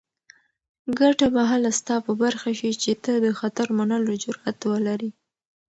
ګټه به هله ستا په برخه شي چې ته د خطر منلو جرات ولرې.